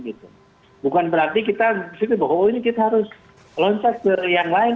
bukan berarti kita harus loncat ke yang lain